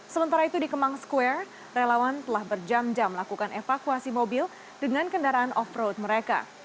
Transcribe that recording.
sementara itu di kemang square relawan telah berjam jam melakukan evakuasi mobil dengan kendaraan off road mereka